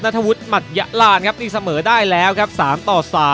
ธวุฒิหมัดยะลานครับตีเสมอได้แล้วครับ๓ต่อ๓